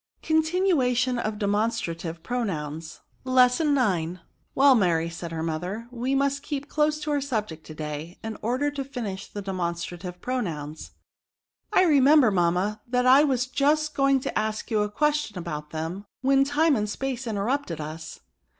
CONTINUATION OF DEMONSTRA TIVE PRONOUNS, Lesson IX. «* Well, Mary,'* said her mother, " we must keep close to our subject to day, in order to finish the demonstrative pronouns*" " I remember, mamma, that I was just go ing to ask you a question about them, when time and space interrupted us.